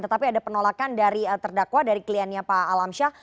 tetapi ada penolakan dari terdakwa dari kliennya pak alamsyah